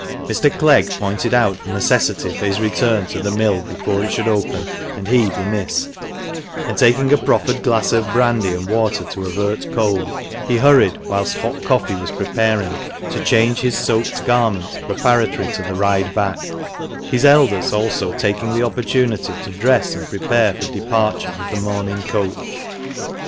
Mr. Clegg pointed out the necessity for his return to the mill before it should open, and he be missed ; and taking a proffered glass of brandy and water to avert cold, he hurried, whilst hot coffee was preparing, to change his soaked garments preparatory to the ride back; his elders also taking the opportunity to dress and prepare for departure with the morning coach.